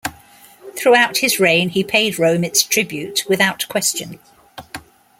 Throughout his reign he paid Rome its tribute without question.